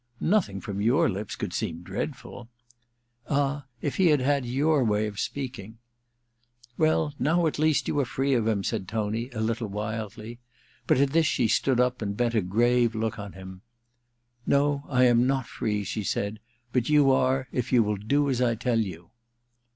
* Nothing from your lips could seem dreadful.' < Ah, if he had had your way of speaking !' •Well, now at least you are free of him,' said Tony, a little wildly ; but at this she stood up and bent a grave look on him. * No, I am not free,' she said ;^ but you are, if you will do as I tell you.'